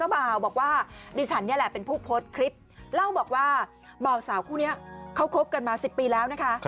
บ่าวสาวคู่นี้เขาคบกันมา๑๐ปีแล้วนะคะ